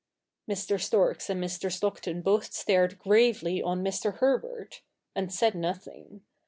Mr. Storks and Mr. Stockton both stared gravely on Mr. Herbert \ and said nothing.